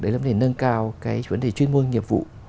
để nâng cao vấn đề chuyên môn nghiệp vụ